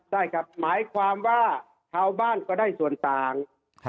ได้ครับหมายความว่าชาวบ้านก็ได้ส่วนต่าง